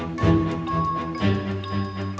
ร้องได้ประหลาด